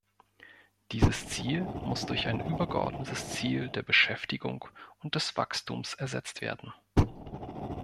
Dieses Ziel muss durch ein übergeordnetes Ziel der Beschäftigung und des Wachstums ersetzt werden.